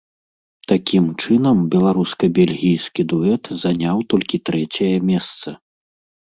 Такім чынам беларуска-бельгійскі дуэт заняў толькі трэцяе месца.